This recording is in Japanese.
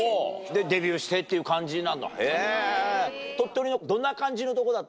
デビューしてっていう感じなんだへぇ。